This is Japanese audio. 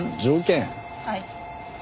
はい。